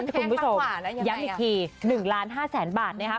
คุณผู้ชมย้ำอีกที๑ล้าน๕แสนบาทนะครับ